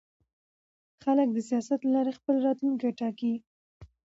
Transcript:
خلک د سیاست له لارې خپل راتلونکی ټاکي